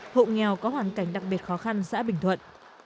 hộ nghèo có hoàn cảnh đặc biệt khó khăn xã bình thuận